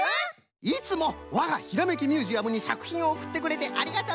いつもわがひらめきミュージアムにさくひんをおくってくれてありがとうの！